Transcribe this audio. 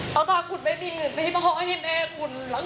เขาเอาไปใช้กัน